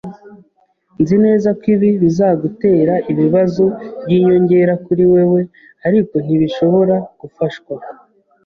Nzi neza ko ibi bizagutera ibibazo byinyongera kuri wewe, ariko ntibishobora gufashwa